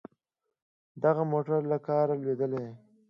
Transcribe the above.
دغه موټر له کاره لوېدلی.